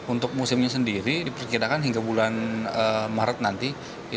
untuk musimnya sendiri diperkirakan hingga bulan maret nanti